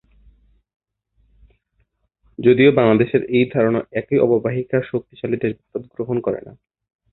যদিও, বাংলাদেশের এই ধারনা একই অববাহিকার শক্তিশালী দেশ ভারত গ্রহণ করে না।